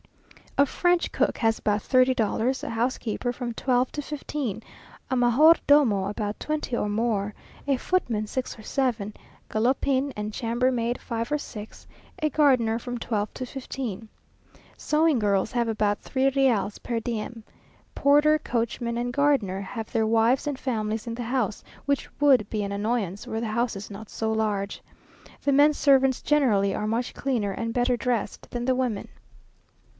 A French cook has about thirty dollars a housekeeper from twelve to fifteen; a major domo about twenty or more; a footman six or seven; galopine and chambermaid five or six; a gardener from twelve to fifteen. Sewing girls have about three reals per diem. Porter, coachmen, and gardener, have their wives and families in the house, which would be an annoyance, were the houses not so large. The men servants generally are much cleaner and better dressed than the women.